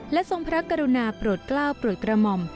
ทรงพระกรุณาโปรดกล้าวโปรดกระหม่อม